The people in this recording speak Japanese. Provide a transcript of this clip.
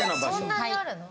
そんなにあるの？